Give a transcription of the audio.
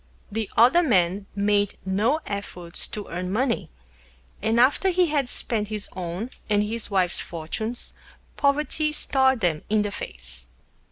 The Other Man made no Efforts to Earn Money, and after he had Spent his own and his Wife's Fortunes, Poverty Stared them in the Face.